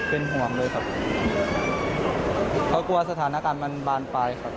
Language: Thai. เพราะกลัวสถานการณ์มันบ้านไปครับ